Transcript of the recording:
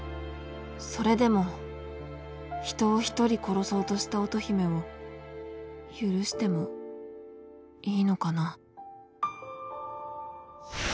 それでも人を１人殺そうとした乙姫を許してもいいのかな？